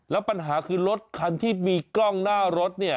แล้วปัญหาคือรถคันที่มีกล้องหน้ารถเนี่ย